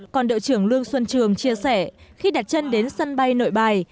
còn đội trưởng lương xuân trường chia sẻ khi đặt chân đến sân bay nội bài